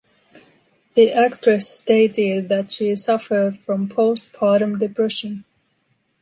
The actress stated that she suffered from post-partum depression.